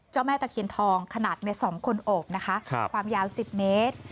เจ้าแม่ตะเขียนทองขนาดในสองคนโอบนะคะครับความยาวสิบเมตร